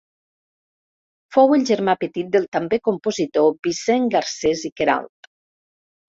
Fou el germà petit del també compositor Vicent Garcés i Queralt.